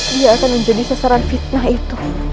dia akan menjadi sasaran fitnah itu